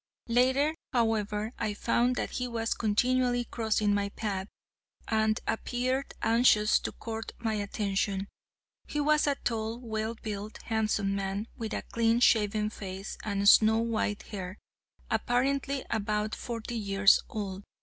Later, however, I found that he was continually crossing my path, and appeared anxious to court my attention. He was a tall, well built, handsome man, with a clean shaven face and snow white hair, apparently about forty years old.